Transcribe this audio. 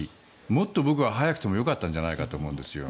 もっと僕は早くてもよかったんじゃないかと思うんです。